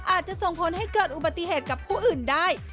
อาจจะส่งผลให้เกิดอุบัติเหตุกับผู้อื่นได้